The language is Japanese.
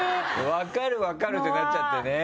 分かる、分かるってなっちゃってね。